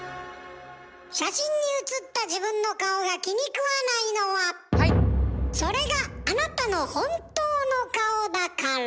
写真にうつった自分の顔が気にくわないのはそれがあなたの本当の顔だから。